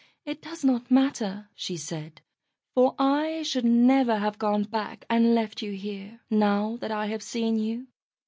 "It does not matter," she said, "for I should never have gone back and left you here, now that I have seen you."